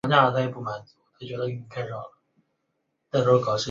可做为观赏鱼。